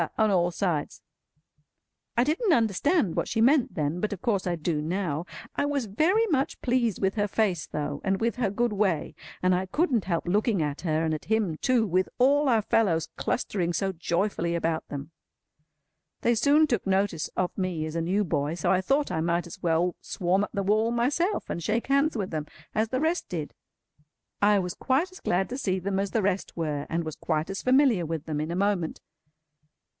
on all sides. I didn't understand what she meant then, but of course I do now. I was very much pleased with her face though, and with her good way, and I couldn't help looking at her—and at him too—with all our fellows clustering so joyfully about them. They soon took notice of me as a new boy, so I thought I might as well swarm up the wall myself, and shake hands with them as the rest did. I was quite as glad to see them as the rest were, and was quite as familiar with them in a moment.